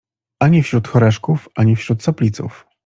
Ani wśród Horeszków, ani wśród Sopliców